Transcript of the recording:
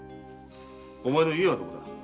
お前の家はどこだ？